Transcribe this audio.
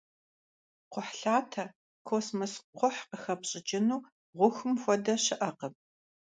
Кхъухьлъатэ, космос кхъухь къыхэпщӀыкӀыну гъухум хуэдэ щыӀэкъым.